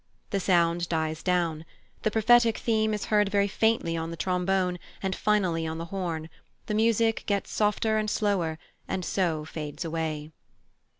The sound dies down. The prophetic theme is heard very faintly on the trombone and finally on the horn; the music gets softer and slower, and so fades away.